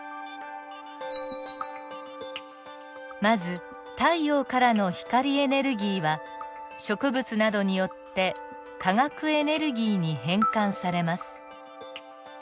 まず太陽からの光エネルギーは植物などによって化学エネルギーに変換されます。